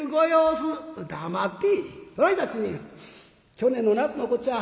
「去年の夏のこっちゃ。